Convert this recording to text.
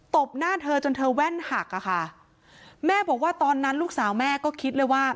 บหน้าเธอจนเธอแว่นหักอะค่ะแม่บอกว่าตอนนั้นลูกสาวแม่ก็คิดเลยว่า